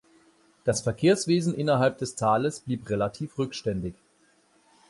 Das Verkehrswesen innerhalb des Tales blieb relativ rückständig.